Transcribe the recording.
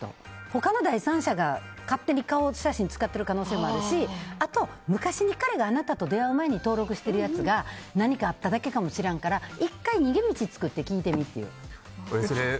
他の第三者が勝手に顔写真使ってる可能性もあるしあと、昔に彼があなたと出会う前に登録してるやつが何かあっただけかもしれんから１回逃げ道作って聞いてみるっていう。